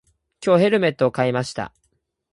今日、ヘルメットを買いました。